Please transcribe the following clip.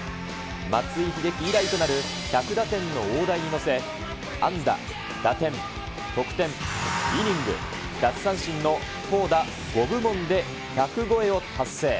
松井秀喜以来となる１００打点の大台に乗せ、安打、打点、得点、イニング、奪三振の投打５部門で１００超えを達成。